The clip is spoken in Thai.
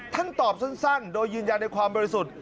ท่านตอบสั้นโดยยืนยันในความบริสุทธิ์